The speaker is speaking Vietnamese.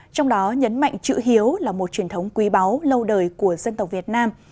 trong đó nhấn mạnh chữ hiếu là một truyền thống quý báu lâu đời của dân tộc việt nam